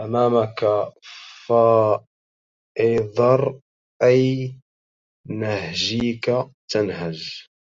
أمامك فانظر أي نهجيك تنهج